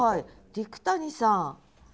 陸谷さん。